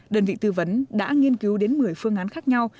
đơn vị tư vấn đã nghiên cứu đến một mươi phương án khác nhau